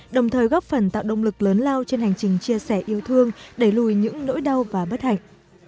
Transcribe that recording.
đồng thời góp phần tạo động lực lớn lao trên hành trình chia sẻ yêu thương đẩy lùi những nỗi đau và bất hạnh